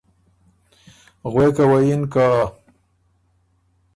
غوېکه وه یِن که:ـ